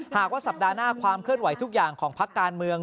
หากว่าสัปดาห์หน้าความเคลื่อนไหวทุกอย่างของพักการเมือง